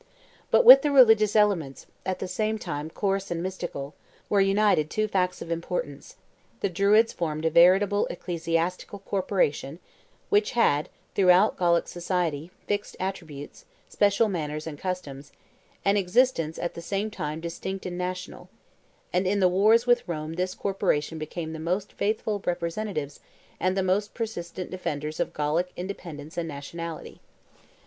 But with the religious elements, at the same time coarse and mystical, were united two facts of importance: the Druids formed a veritable ecclesiastical corporation, which had, throughout Gallic society, fixed attributes, special manners and customs, an existence at the same time distinct and national; and in the wars with Rome this corporation became the most faithful representatives and the most persistent defenders of Gallic independence and nationality.